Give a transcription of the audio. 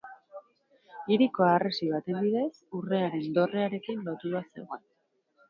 Hiriko harresi baten bidez, Urrearen Dorrearekin lotua zegoen.